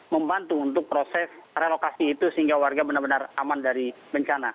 membantu untuk proses relokasi itu sehingga warga benar benar aman dari bencana